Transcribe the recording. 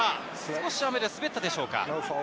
少し雨で滑ったでしょうか。